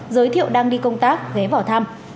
giới thiệu đang đi công tác ghé vào thăm